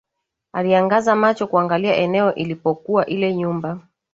Aliangaza macho kuangalia eneo ilipokuwa ile nyumba